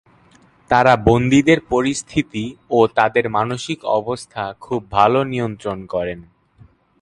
তারা বন্দীদের পরিস্থিতি ও তাদের মানসিক অবস্থা খুব ভালো নির্ধারণ করেন।